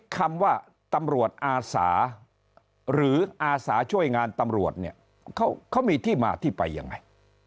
คำว่าตำรวจอาสาหรืออาสาช่วยงานตำรวจเนี่ยเขามีที่มาที่ไปยังไง